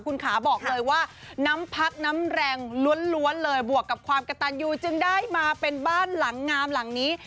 คุณขาบอกเลยว่าน้ำพักน้ำแรงล้วนเลยบวกกับความกระตันยูจึงได้มาเป็นบ้านหลังงามหลังนี้